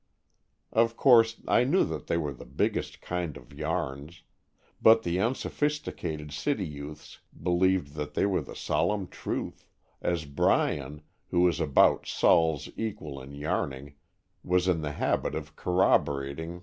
Of course I knew that they were the biggest kind of yarns, but the unsophisticated city youths be lieved that they were the solemn truth, as Bryan, who was about "Sol's" equal in yarning, was in the habit of corrobora ting